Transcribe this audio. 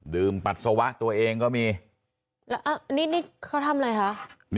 ดื่มปัดสวะตัวเองก็มีนี่เขาทำอะไรคะ